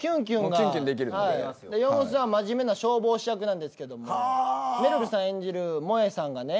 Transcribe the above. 岩本さんは真面目な消防士役なんですけどめるるさん演じる萌衣さんがね